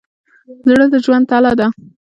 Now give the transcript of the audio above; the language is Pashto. زړه د ژوند تله ده.